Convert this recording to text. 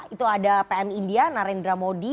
itu ada pm india narendra modi